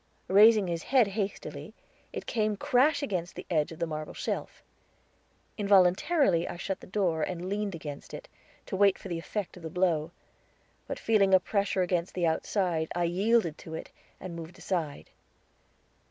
Raising his head hastily, it came crash against the edge of the marble shelf. Involuntarily I shut the door, and leaned against it, to wait for the effect of the blow; but feeling a pressure against the outside, I yielded to it, and moved aside.